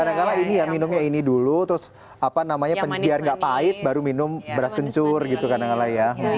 kadang kadang ini ya minumnya ini dulu terus apa namanya biar nggak pahit baru minum beras kencur gitu kadang kadang lah ya